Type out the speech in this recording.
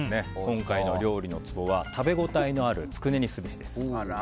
今回の料理のツボは食べ応えのあるつくねにすべしです。